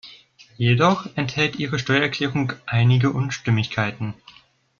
Jedoch enthält Ihre Steuererklärung einige Unstimmigkeiten.